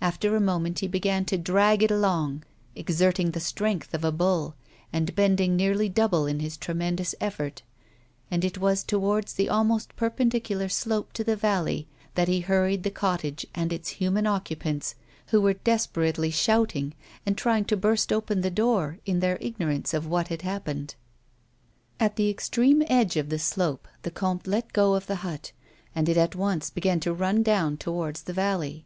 After a moment he begun to drag it along — exerting the strength of a bull, and bending nearly double in his tremendous effort, — and it was towards the almost perpendic ular slope to the valley that he hurried the cottage and its human occupants who were desperately shouting and trying to burst open the door, in their ignorance of what had happened. At the extreme edge of the slope, the comte let go of the hut, and it at once begun to run down towards the valley.